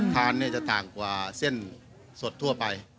ทานจะต่างกว่าเส้นสดทั่วไป